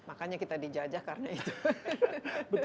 makanya kita dijajah karena itu